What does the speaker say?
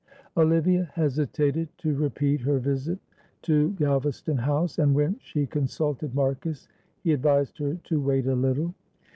Olivia hesitated to repeat her visit to Galvaston House, and when she consulted Marcus he advised her to wait a little.